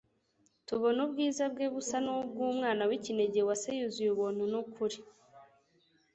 tubona ubwiza bwe busa n'ubw'Umwana w'ikinege wa se, yuzuye ubuntu n'ukuri"